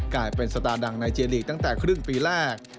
กลายเป็นสตาร์ดังในเจลีกตั้งแต่ครึ่งปีแรก